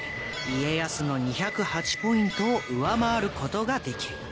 家康の２０８ポイントを上回ることができる。